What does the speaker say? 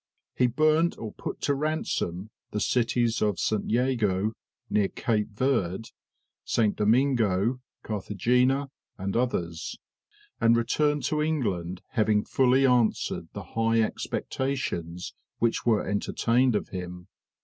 He burnt or put to ransom the cities of St. Jago, near Cape Verde, St. Domingo, Carthagena, and others, and returned to England, having fully answered the high expectations which were entertained of him.